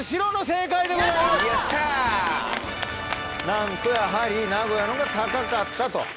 なんとやはり名古屋の方が高かったと。